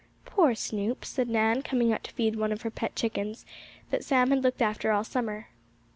"Poor Snoop!" said Nan, coming out to feed some of her pet chickens, that Sam had looked after all summer.